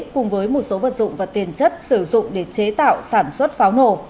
cùng với một số vật dụng và tiền chất sử dụng để chế tạo sản xuất pháo nổ